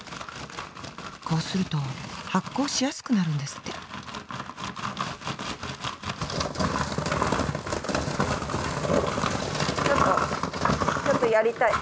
こうすると発酵しやすくなるんですってちょっとちょっとやりたい。